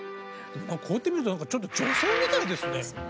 こうやって見るとちょっと女性みたいですね。